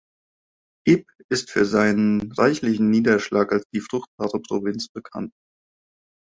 Ibb ist für seinen reichlichen Niederschlag als „die fruchtbare Provinz“ bekannt.